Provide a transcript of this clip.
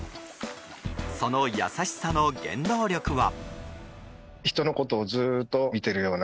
その優しさの原動力は。